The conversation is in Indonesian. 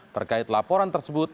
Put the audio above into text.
terkait laporan tersebut